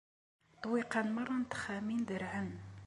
Ṭṭwiqan meṛṛa n texxamin dderɛen